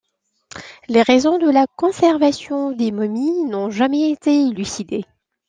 Les raisons de la conservation des momies n’ont jamais été élucidées.